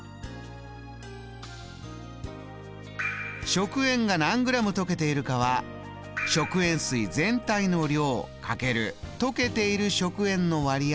食塩が何グラム溶けているかは食塩水全体の量掛ける溶けている食塩の割合